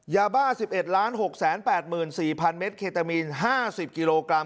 ยาบ้า๑๑๖๘๔๐๐เมตรเคตามีน๕๐กิโลกรัม